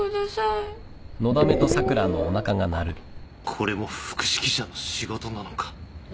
これも副指揮者の仕事なのか？